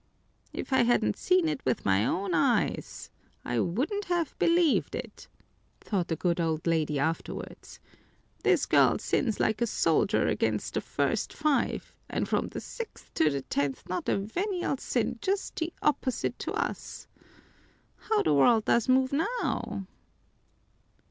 "If I hadn't seen it with my own eyes, I wouldn't have believed it," thought the good old lady afterwards. "This girl sins like a soldier against the first five and from the sixth to the tenth not a venial sin, just the opposite to us! How the world does move now!"